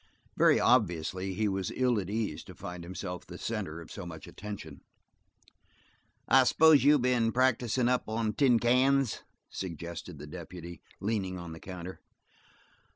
Very obviously he was ill at ease to find himself the center of so much attention. "I s'pose you been practicin' up on tin cans?" suggested the deputy, leaning on the counter.